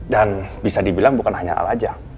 dan bisa dibilang bukan hanya al aja